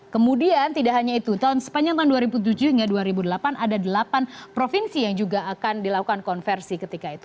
kemudian tidak hanya itu sepanjang tahun dua ribu tujuh hingga dua ribu delapan ada delapan provinsi yang juga akan dilakukan konversi ketika itu